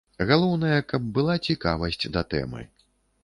Галоўнае, каб была цікавасць да тэмы.